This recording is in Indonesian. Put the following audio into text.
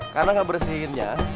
karena gak bersihinnya